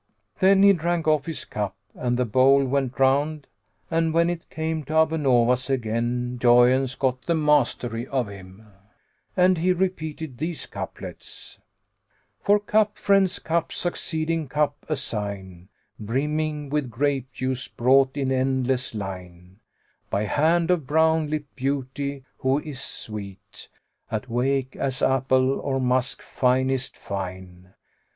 Then he drank off his cup and the bowl went round, and when it came to Abu Nowas again, joyance got the mastery of him and he repeated these couplets, "For cup friends cup succeeding cup assign, * Brimming with grape juice, brought in endliess line, By hand of brown lipped[FN#95] Beauty who is sweet * At wake as apple or musk finest fine.